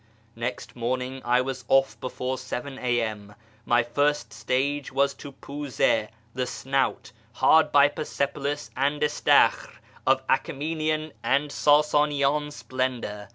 Next morning I was off before 7 A.M. My first stage was to Puze (" the Snout "), hard by Persepolis and Istakhr, of Achtemenian and Sasanian splendour.